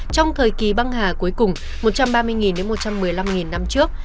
trong thời kỳ băng hà cuối cùng một trăm ba mươi một trăm một mươi năm năm trước